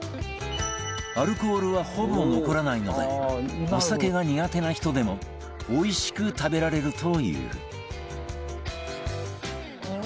アルコールはほぼ残らないのでお酒が苦手な人でもおいしく食べられるという